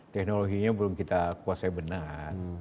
teknologinya belum kita kuasai benar